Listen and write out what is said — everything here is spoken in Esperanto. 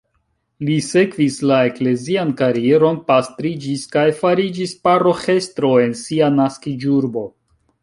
Li sekvis la eklezian karieron, pastriĝis kaj fariĝis paroĥestro en sia naskiĝurbo.